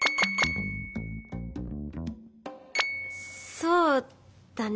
「そうだね」。